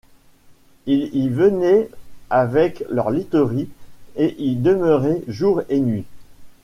Ils y venaient avec leur literie et y demeuraient jour et nuit.